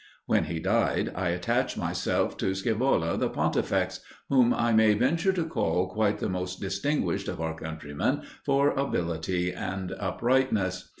When he died, I attached myself to Scaevola the Pontifex, whom I may venture to call quite the most distinguished of our countrymen for ability and uprightness.